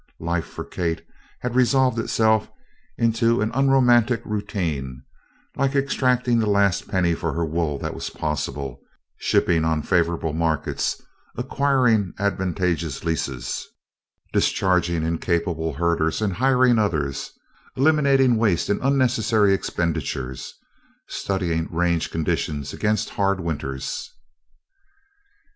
Life for Kate had resolved itself into an unromantic routine like extracting the last penny for her wool that was possible, shipping on favorable markets, acquiring advantageous leases, discharging incapable herders and hiring others, eliminating waste and unnecessary expenditures, studying range conditions against hard winters.